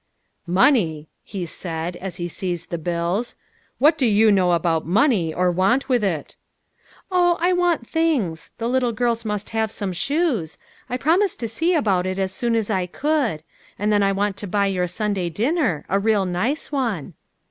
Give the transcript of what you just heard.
"Money!" he said, as he seized the bills. " What do you know about money, or want with it?" " Oh, I want things. The little girls must have some shoes. I promised to see about it as soon as I could. And then I want to buy your Sunday dinner ; a real nice one."